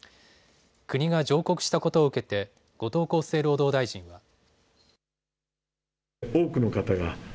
国が上告したことを受けて後藤厚生労働大臣は。